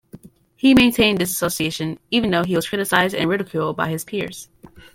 He maintained this association even though he was criticized and ridiculed by his peers.